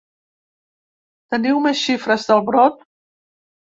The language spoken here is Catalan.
Teniu més xifres del brot?